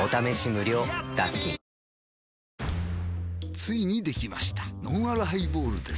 ついにできましたのんあるハイボールです